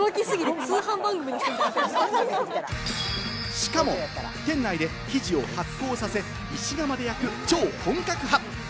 しかも店内で生地を発酵させ、石窯で焼く超本格派。